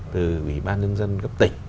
từ ủy ban nhân dân cấp tỉnh